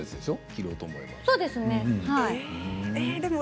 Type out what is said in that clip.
そうですね。